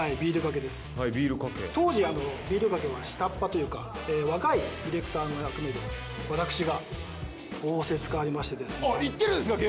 当時ビールかけは下っ端というか若いディレクターの役目で私が仰せつかりましてですね。